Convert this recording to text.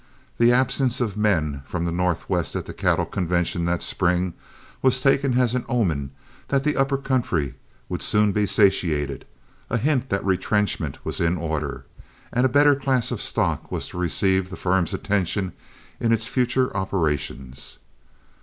The absence of the men from the Northwest at the cattle convention that spring was taken as an omen that the upper country would soon be satiated, a hint that retrenchment was in order, and a better class of stock was to receive the firm's attention in its future operations.